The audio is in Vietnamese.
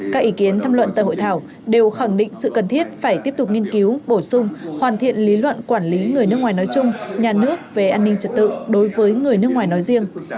các ý kiến thăm luận tại hội thảo đều khẳng định sự cần thiết phải tiếp tục nghiên cứu bổ sung hoàn thiện lý luận quản lý người nước ngoài nói chung nhà nước về an ninh trật tự đối với người nước ngoài nói riêng